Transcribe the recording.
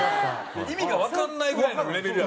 意味がわかんないぐらいのレベルやったんですよ。